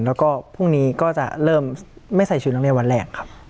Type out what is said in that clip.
แล้วก็พรุ่งนี้ก็จะเริ่มไม่ใส่ชุดนักเรียนวันแรกครับ